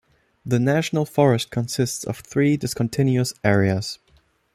The National Forest consists of three discontinuous areas.